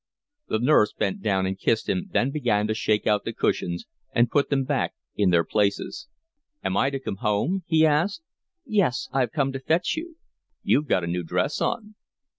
The nurse bent down and kissed him, then began to shake out the cushions, and put them back in their places. "Am I to come home?" he asked. "Yes, I've come to fetch you." "You've got a new dress on."